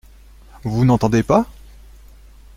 Vous n’entendez pas ?